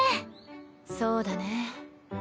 そうだね。